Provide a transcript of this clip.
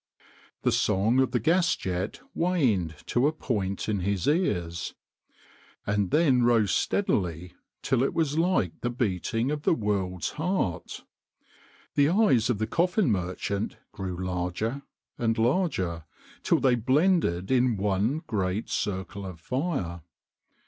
The song of the gas jet waned to a point in his ears, and then rose steadily till it was like the beating THE COFFIN MERCHANT 179 of the world's heart. The eyes of the coffin merchant grew larger and larger, till they blended in one great circle of fire.